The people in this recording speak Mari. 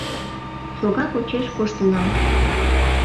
шога почеш коштынам.